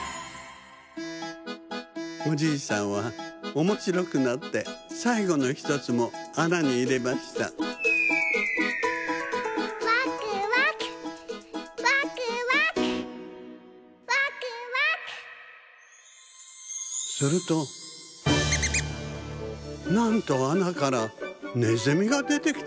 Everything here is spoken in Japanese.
おじいさんはおもしろくなってさいごの１つもあなにいれましたするとなんとあなからねずみがでてきたではありませんか。